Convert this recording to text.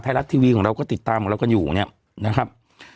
ไทยรัฐทีวีของเราก็ติดตามของเรากันอยู่เนี่ยนะครับ